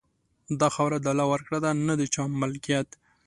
دا خاوره د الله ورکړه ده، نه د چا ملکیت.